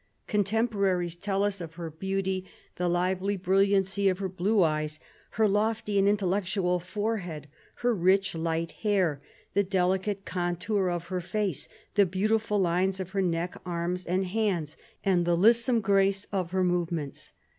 Contempor aries tell us of her beauty, the lively brilliancy of her blue eyes, her lofty and intellectual forehead, her rich light hair, the delicate contour of her face, the beautiful lines of her neck, arms, and hands, and the lissom grace of her movements.